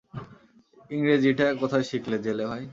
ইংরেজিটা কোথায় শিখলে, জেলে ভাই?